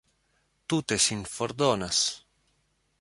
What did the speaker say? Tute sin fordonas!